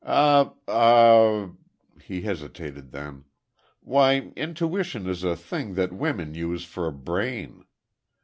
"Eh ah," he hesitated, then, "why, intuition is a thing that women use for a brain.